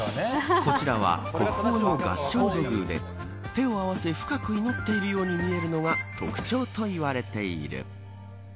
こちらは国宝の合掌土偶で手を合わせ深く祈っているように見えるのが特徴と言われている。